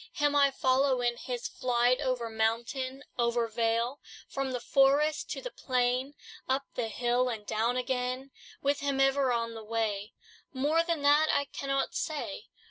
Him I follow in his flight, Over mountain, over vale, From the forest to the plain, Up the hill, and down again. With him ever on the way: More than that, I cannot say.